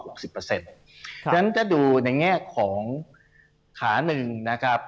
ฉะนั้นจะดูในแง่ของขาหนึ่งนะครับ